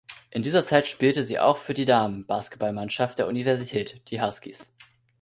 In dieser Zeit spielte sie auch für die Damen-Basketballmannschaft der Universität, die Huskies.